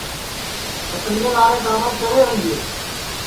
پتنگیں لارے ٹاٻر چرے ہوئی گے